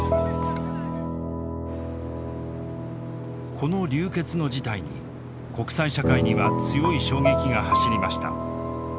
この流血の事態に国際社会には強い衝撃が走りました。